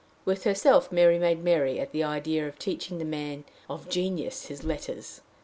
With herself Mary made merry at the idea of teaching the man of genius his letters.